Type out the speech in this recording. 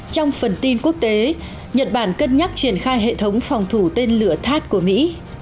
trong phần tin quốc tế nhật bản cân nhắc triển khai hệ thống phòng thủ tên lửa tháp của mỹ